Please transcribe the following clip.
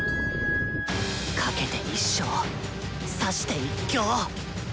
賭けて一生指して一興。